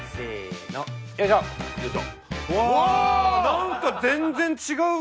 なんか全然違う！